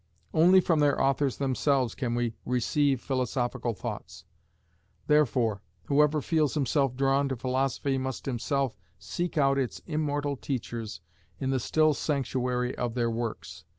Only from their authors themselves can we receive philosophical thoughts; therefore whoever feels himself drawn to philosophy must himself seek out its immortal teachers in the still sanctuary of their works.